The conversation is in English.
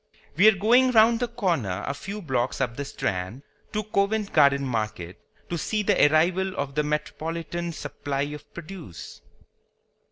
We are going round the corner a few blocks up the Strand, to Covent Garden Market, to see the arrival of the metropolitan supply of produce.